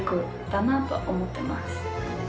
だなとは思ってます。